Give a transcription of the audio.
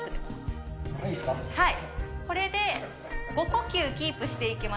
これで５呼吸キープしていき５回？